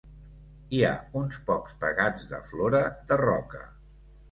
Hi ha uns pocs pegats de flora de roca.